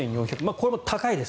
これも高いです。